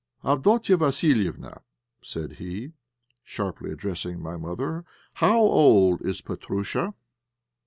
"Avdotia Vassiliéva," said he, sharply addressing my mother, "how old is Petróusha?"